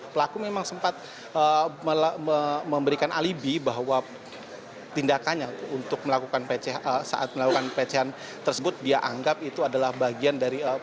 pelaku memang sempat memberikan alibi bahwa tindakannya untuk melakukan pecehan tersebut dia anggap itu adalah bagian dari perusahaan